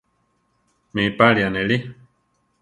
¿Mi páli anéli?